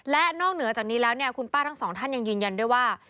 และนอกเหนือจากนี้แล้วเนี่ยคุณป้าทั้งสองท่านยังยืนยันด้วยว่า